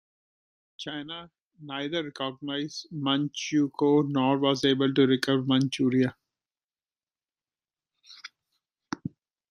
China neither recognized Manchukuo nor was able to recover Manchuria.